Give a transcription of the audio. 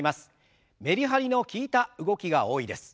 メリハリの利いた動きが多いです。